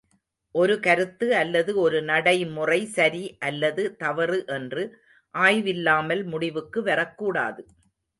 ஒரு கருத்து அல்லது ஒரு நடைமுறை சரி அல்லது தவறு என்று ஆய்வில்லாமல் முடிவுக்கு வரக்கூடாது.